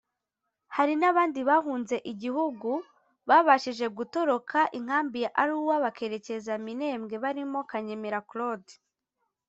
Hari n’abandi bahunze igihugu babashije gutoroka inkambi ya Arua bakerekeza Minembwe barimo Kanyemera Claude